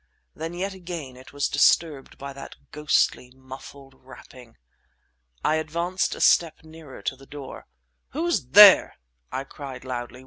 Then yet again it was disturbed by that ghostly, muffled rapping. I advanced a step nearer to the door. "Who's there?" I cried loudly.